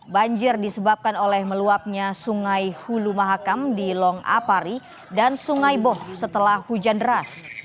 banjir disebabkan oleh meluapnya sungai hulu mahakam di long apari dan sungai boh setelah hujan deras